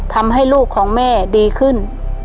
ทำให้ลูกของแม่ดีขึ้น